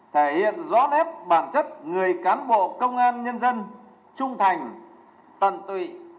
thể hiện rõ nét bản chất người cán bộ công an nhân dân trung thành tận tụy